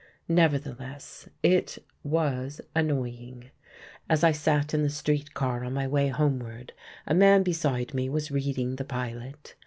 Nevertheless, it was annoying. As I sat in the street car on my way homeward, a man beside me was reading the Pilot.